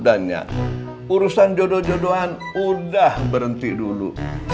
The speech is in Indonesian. dan ya urusan jodoh jodohan udah berhenti dulu